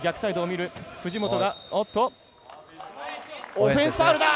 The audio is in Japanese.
オフェンスファウルだ！